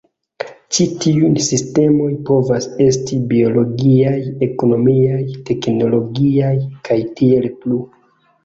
Ĉi tiuj sistemoj povas esti biologiaj, ekonomiaj, teknologiaj, kaj tiel plu.